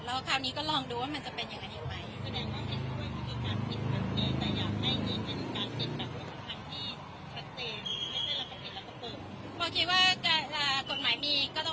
แต่การลั่งใหม่ก็ต้องการทำด้วยความรอบทอง